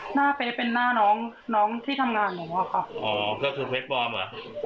หน้าเฟสเป็นหน้าน้องน้องที่ทำงานหนูอะค่ะอ๋อก็คือเพชรปลอมเหรอ